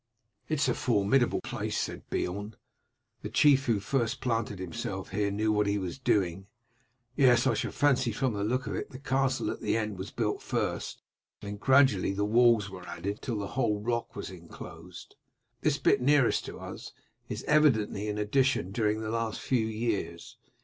"It is a formidable place," said Beorn. "The chief who first planted himself here knew what he was doing. Yes. I should fancy from the look of it the castle at the end was built first, then gradually the walls were added until the whole rock was inclosed. This bit nearest to us is evidently an addition during the last few years.